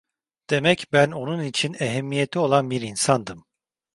Demek ben onun için ehemmiyeti olan bir insandım.